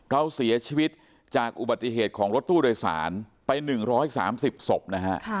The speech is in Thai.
เราเสียชีวิตจากอุบัติเหตุของรถตู้โดยสารไป๑๓๐ศพนะฮะ